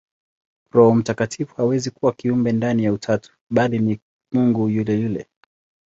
Roho Mtakatifu hawezi kuwa kiumbe ndani ya Utatu, bali ni Mungu yule yule.